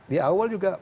di awal juga